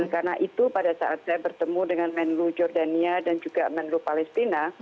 karena itu pada saat saya bertemu dengan menurut jordania dan juga menurut palestina